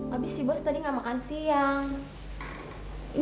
habis si bos tadi nggak makan siang